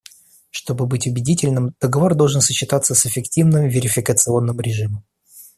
Чтобы быть убедительным, договор должен сочетаться с эффективным верификационным режимом.